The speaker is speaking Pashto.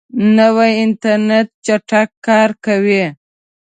نوی انټرنیټ چټک کار کوي